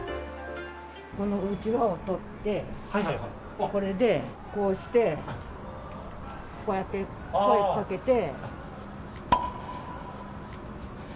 このうちわを取って、これでこうして、こうやって声かけて。